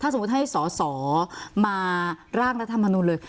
ถ้าสมมติให้สสมาร่างรัฐมนุนเลย